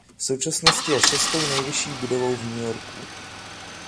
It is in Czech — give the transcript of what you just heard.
V současnosti je šestou nejvyšší budovou v New Yorku.